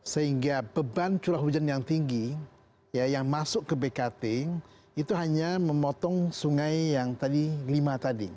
sehingga beban curah hujan yang tinggi yang masuk ke bkt itu hanya memotong sungai yang tadi lima tadi